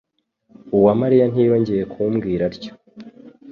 Uwamariya ntiyongeye kumbwira atyo.